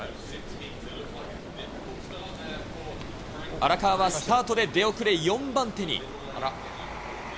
荒川はスタートで出遅れ４番手に。